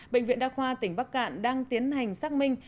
bệnh viện đa khoa tỉnh bắc cạn đang tiến hành xác minh